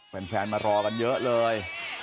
แฟนมารอกันเยอะเลย